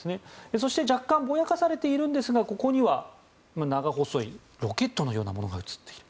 そして、若干ぼやかされているんですが長細いロケットのようなものが写っている。